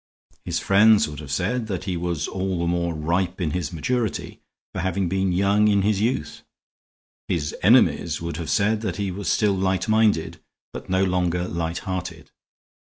His friends would have said that he was all the more ripe in his maturity for having been young in his youth. His enemies would have said that he was still light minded, but no longer light hearted.